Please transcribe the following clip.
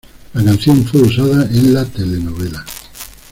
La canción fue usada en la telenovela.